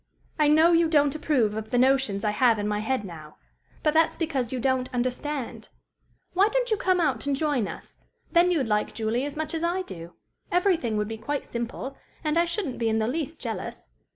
"I know you don't approve of the notions I have in my head now. But that's because you don't understand. Why don't you come out and join us? Then you'd like Julie as much as I do; everything would be quite simple; and I shouldn't be in the least jealous.